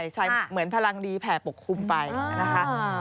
ใช่เหมือนพลังดีแผ่ปกคลุมไปนะคะ